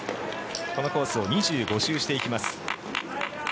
このコースを２５周していきます。